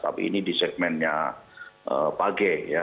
tapi ini di segmennya page ya